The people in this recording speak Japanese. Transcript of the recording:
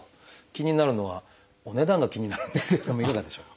気になるのはお値段が気になるんですけれどもいかがでしょう？